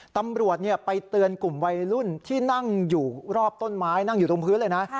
ตำรวจไปเตือนกลุ่มวัยรุ่นที่นั่งอยู่รอบต้นไม้นั่งอยู่ตรงพื้นเลยนะ